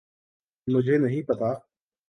مجھے نہیں پتہ۔